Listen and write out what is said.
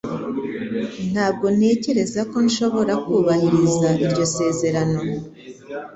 Ntabwo ntekereza ko nshobora kubahiriza iryo sezerano.